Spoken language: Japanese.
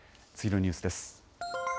次のニュースです。